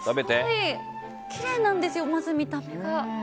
きれいなんですよまず見た目が。